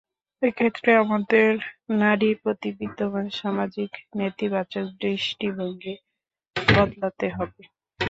এ ক্ষেত্রে আমাদের নারীর প্রতি বিদ্যমান সামাজিক নেতিবাচক দৃষ্টিভঙ্গি বদলাতে হবে।